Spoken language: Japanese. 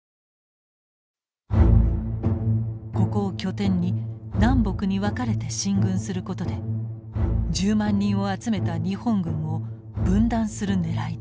ここを拠点に南北に分かれて進軍することで１０万人を集めた日本軍を分断するねらいだった。